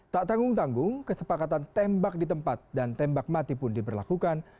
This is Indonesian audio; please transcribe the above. tak tanggung tanggung kesepakatan tembak di tempat dan tembak mati pun diberlakukan